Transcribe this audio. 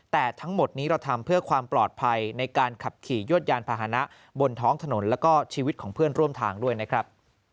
แต่ทั้งหมดนี้เราทำเพื่อความปลอดภัยในการขับขี่ยวดยานพาหนะบนท้องถนนแล้วก็ชีวิตของเพื่อนร่วมทางด้วยนะครับ